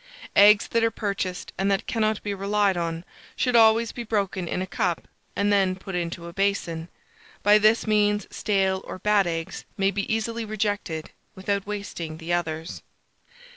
Eggs that are purchased, and that cannot be relied on, should always be broken in a cup, and then put into a basin: by this means stale or bad eggs may be easily rejected, without wasting the others.